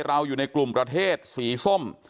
เราอยู่ในกลุ่มประเทศสีส้ม